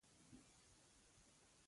پیلوټ دقیق وخت پیژني.